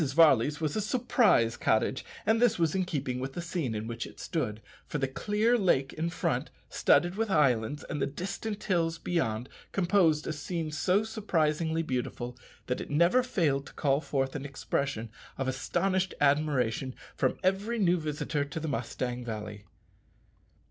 Varley's was a surprise cottage; and this was in keeping with the scene in which it stood, for the clear lake in front, studded with islands, and the distant hills beyond, composed a scene so surprisingly beautiful that it never failed to call forth an expression of astonished admiration from every new visitor to the Mustang Valley.